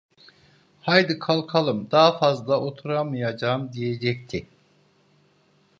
"Haydi, kalkalım, daha fazla oturamayacağım!" diyecekti.